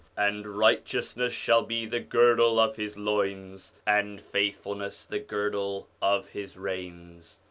And righteousness shall be the girdle of his loins, and faithfulness the girdle of his reins.